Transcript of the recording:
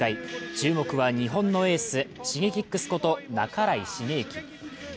注目は日本のエースＳｈｉｇｅｋｉｘこと半井重幸。